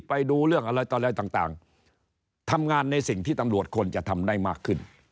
ไปดูเรื่องอะไรต่ออะไรต่างทำงานในสิ่งที่ตำรวจควรจะทำได้มากขึ้น